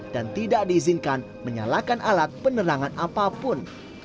dan tidak diizinkan menyalakan alat penerangan apapun